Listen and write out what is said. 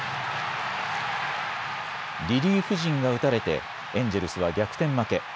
リリーフ陣が打たれて、エンジェルスは逆転負け。